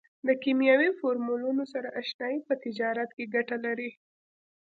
د کیمیاوي فورمولونو سره اشنایي په تجارت کې ګټه لري.